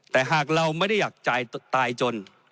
แต่หากเราไม่ได้อยากตายจน